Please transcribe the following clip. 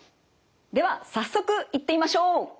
では早速いってみましょう！